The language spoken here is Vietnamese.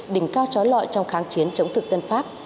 đỉnh cao trói lọi trong kháng chiến chống thực dân pháp